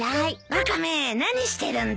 ワカメ何してるんだ？